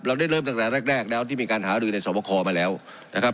ได้เริ่มตั้งแต่แรกแล้วที่มีการหารือในสอบคอมาแล้วนะครับ